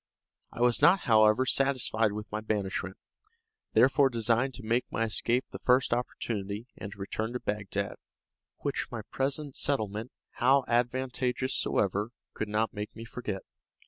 I was not, however, satisfied with my banishment; therefore designed to make my escape the first opportunity, and to return to Bagdad, which my present settlement, how advantageous soever, could not make me forget.